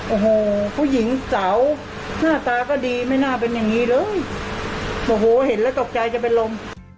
โอ้โหผู้หญิงสาวหน้าตาก็ดีไม่น่าเป็นอย่างงี้เลยโอ้โหเห็นแล้วตกใจจะเป็นลม